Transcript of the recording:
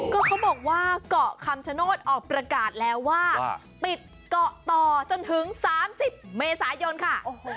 ก็เขาบอกว่าเกาะคำชโนธออกประกาศแล้วว่าปิดเกาะต่อจนถึง๓๐เมษายนค่ะ